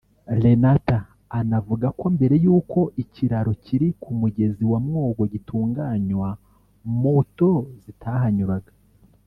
Lenata anavuga ko mbere y’uko ikiraro kiri ku mugezi wa Mwogo gitunganywa moto zitahanyuraga